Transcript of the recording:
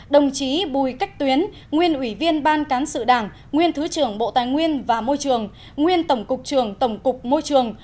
đồng chí bùi cách tuyến nguyên ủy viên ban cán sự đảng nguyên thứ trưởng bộ tài nguyên và môi trường nguyên tổng cục trường tổng cục môi trường